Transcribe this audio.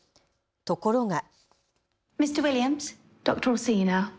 ところが。